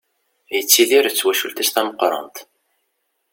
Yettidir d twacult-is tameqqrant.